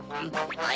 はい！